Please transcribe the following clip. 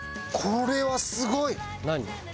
これはすごい！